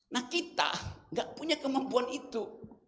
nah kita gak punya kemampuan itu